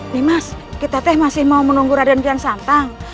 nih mas kita masih mau menunggu radian pian santang